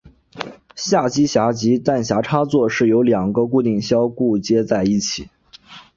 下机匣及弹匣插座是由两个固定销固接在一起。